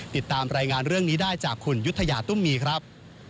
ติดตามรายงานเรื่องนี้ได้จากคุณยุธยาตุ้มมีครับ